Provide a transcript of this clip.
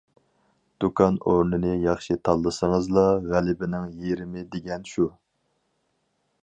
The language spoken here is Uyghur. دۇكان ئورنىنى ياخشى تاللىسىڭىزلا غەلىبىنىڭ يېرىمى دېگەن شۇ.